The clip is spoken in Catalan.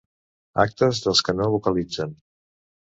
Actes dels que no vocalitzen.